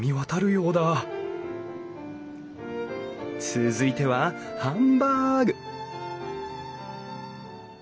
続いてはハンバーグ！